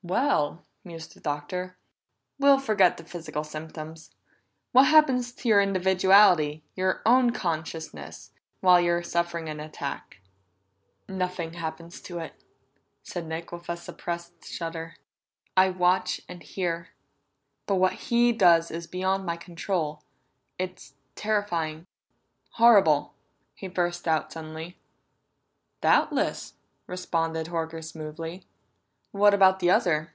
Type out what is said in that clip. "Well," mused the Doctor, "we'll forget the physical symptoms. What happens to your individuality, your own consciousness, while you're suffering an attack?" "Nothing happens to it," said Nick with a suppressed shudder. "I watch and hear, but what he does is beyond my control. It's terrifying horrible!" he burst out suddenly. "Doubtless," responded Horker smoothly. "What about the other?